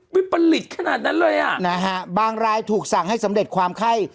ปลิตขนาดนั้นเลยอ่ะนะฮะบางรายถูกสั่งให้สำเร็จความไข้